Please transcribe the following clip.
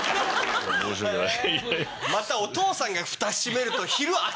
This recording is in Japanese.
申し訳ない。